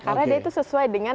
karena dia itu sesuai dengan